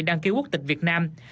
đăng ký quốc tịch việt nam